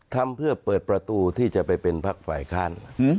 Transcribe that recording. ทำเพื่อเปิดประตูที่จะไปเป็นพักฝ่ายค้าน